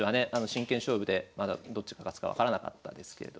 真剣勝負でまだどっちが勝つか分からなかったですけれども。